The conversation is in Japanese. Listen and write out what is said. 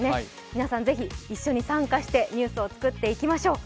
皆さん、ぜひ一緒に参加してニュースを作っていきましょう。